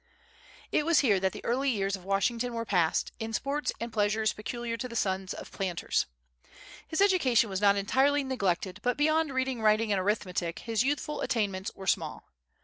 It was here that the early years of Washington were passed, in sports and pleasures peculiar to the sons of planters. His education was not entirely neglected, but beyond reading, writing, and arithmetic, his youthful attainments were small.